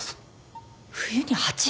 冬に蜂？